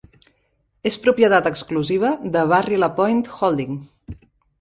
És propietat exclusiva de Barry Lapointe Holding.